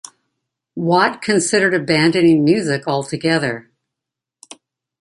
Watt considered abandoning music altogether.